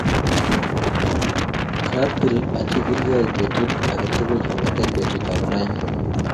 Katil achigilgei betut age tugul kong'ete betutab raini.